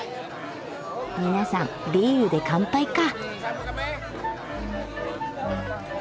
皆さんビールで乾杯か。